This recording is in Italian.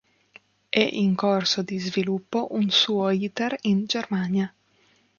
È in corso di sviluppo un suo iter in Germania.